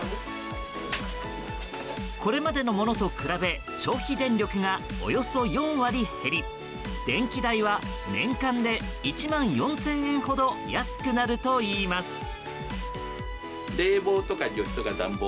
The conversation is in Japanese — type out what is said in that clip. これまでのものと比べ消費電力がおよそ４割減り電気代は年間で１万４０００円ほど安くなるといいます。